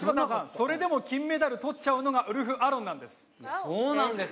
それでも金メダルとウルフアロンなんです。